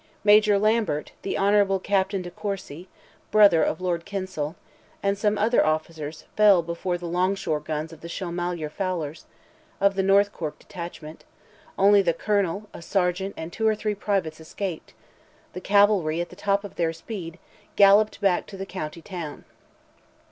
Major Lambert, the Hon. Captain De Courcy (brother of Lord Kinsale), and some other officers, fell before the long shore guns of the Shilmalier fowlers; of the North Cork detachment, only the colonel, a sergeant, and two or three privates escaped; the cavalry, at the top of their speed, galloped back to the county town.